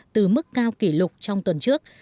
từ mức cao kỷ lục trong tuần trước